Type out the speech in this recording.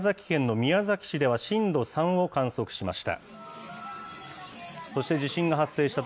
宮崎市では震度３を観測しました。